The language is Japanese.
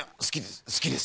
すきです。